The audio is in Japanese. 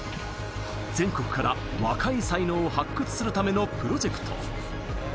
全国から若い才能を発掘するためのプロジェクト。